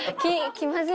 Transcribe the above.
気まずい。